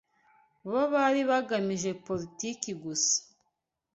bo bari bagamije politiki gusa